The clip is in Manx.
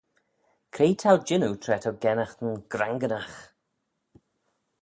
Cre t'ou jannoo tra t'ou gennaghtyn granganagh?